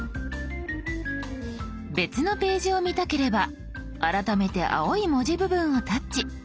別のページを見たければ改めて青い文字部分をタッチ。